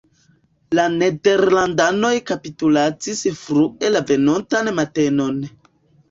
La nederlandanoj kapitulacis frue la venontan matenon.